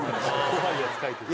怖いやつ描いてる。